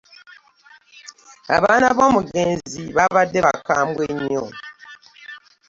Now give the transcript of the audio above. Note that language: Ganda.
Abaana b'omugenzi babadde bakambwe nnyo.